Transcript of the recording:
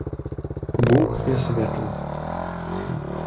Bůh je světlo.